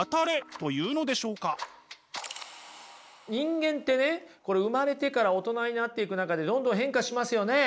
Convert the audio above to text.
人間ってね生まれてから大人になっていく中でどんどん変化しますよね。